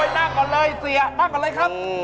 นั่งก่อนเลยเสียพักก่อนเลยครับ